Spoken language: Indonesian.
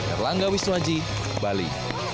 erlangga wisnuaji bali